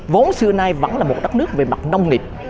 vốn xưa nay vẫn là một đất nước về mặt nông nghiệp